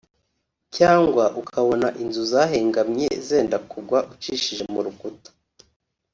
cyangwa ukabona inzu zahengamye zenda kugwa ucishije mu rukuta